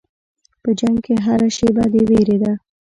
په جنګ کې هره شېبه د وېرې ده.